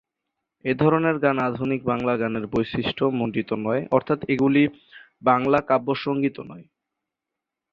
এ ধরনের গান আধুনিক বাংলা গানের বৈশিষ্ট্যমন্ডিত নয়, অর্থাৎ এগুলি বাংলা কাব্যসঙ্গীত নয়।